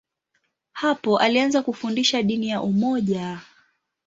Hapo alianza kufundisha dini ya umoja.